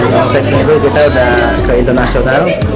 nano sighting itu kita udah ke internasional